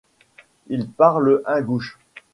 Ils parlent ingouche.